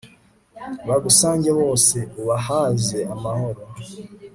bagusange bose, ubahaze amahoro